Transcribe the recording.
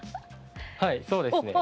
はいそうですね。